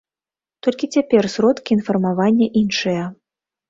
Толькі цяпер сродкі інфармавання іншыя.